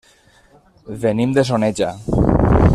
Venim de Soneja.